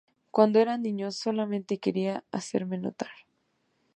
Cuando era niño solamente quería hacerme notar.